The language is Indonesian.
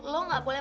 lo gak boleh